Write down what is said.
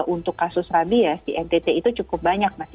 untuk kasus rabies di ntt itu cukup banyak mas